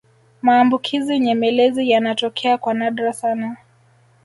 maambukizi nyemelezi yanatokea kwa nadra sana